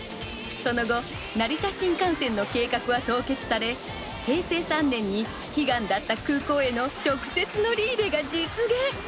その後成田新幹線の計画は凍結され平成３年に悲願だった空港への直接乗り入れが実現！